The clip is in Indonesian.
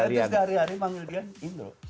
ketika hari hari memanggil dia indro